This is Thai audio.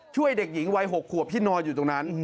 ช่วยเด็กหญิงวัย๖ขวบที่นอนอยู่ตรงนั้น